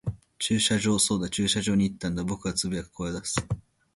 駐車場。そうだ、駐車場に行ったんだ。僕は呟く、声を出す。